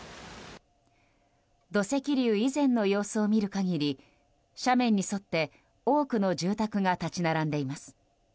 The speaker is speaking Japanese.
土石流以前の様子を見る限り斜面に沿って多くの住宅が立ち並んでいます。